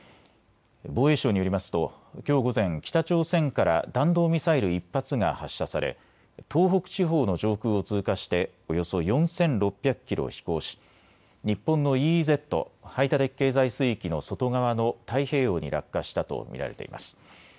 防衛省によりますと、きょう午前、北朝鮮から弾道ミサイル１発が発射され、東北地方の上空を通過して、およそ４６００キロ飛行し、日本のＥＥＺ・排他的経済水域の外側の太平洋に落下したと見られています。